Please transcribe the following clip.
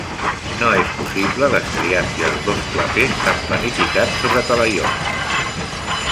No és possible destriar si els dos clapers s'han planificat sobre talaiots.